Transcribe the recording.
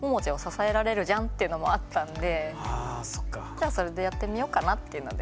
じゃあそれでやってみようかなっていうので。